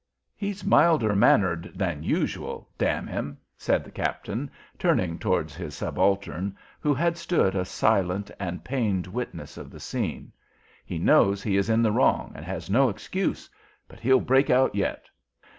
"He's milder mannered than usual, d n him!" said the captain, turning towards his subaltern, who had stood a silent and pained witness of the scene. "He knows he is in the wrong and has no excuse; but he'll break out yet.